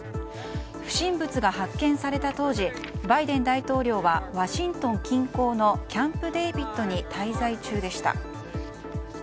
不審物が発見された当時バイデン大統領はワシントン近郊のキャンプデービッドに滞在中でした。